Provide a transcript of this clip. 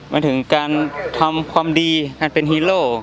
มันถึงการทำความดีการเป็นฮีโร่